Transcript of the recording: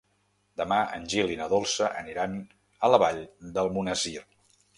Demà en Gil i na Dolça aniran a la Vall d'Almonesir.